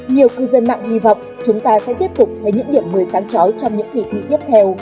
nhiều cư dân mạng hy vọng chúng ta sẽ tiếp tục thấy những điểm một mươi sáng trói trong những kỳ thi tiếp theo